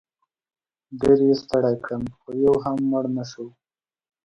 ډېر یې ستړی کړم خو یو هم مړ نه شو.